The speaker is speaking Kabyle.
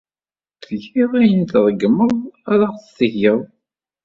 Tgiḍ ayen ay tṛeggmeḍ ad aɣ-t-tgeḍ.